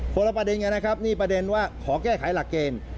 ละประเด็นกันนะครับนี่ประเด็นว่าขอแก้ไขหลักเกณฑ์